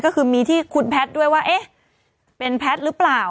ก็คือมีที่คุณแพทย์ด้วยว่าเอ๊ะเป็นแพทย์หรือเปล่า